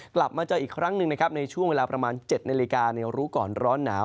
กลับมาเจออีกครั้งหนึ่งนะครับในช่วงเวลาประมาณ๗นาฬิกาในรู้ก่อนร้อนหนาว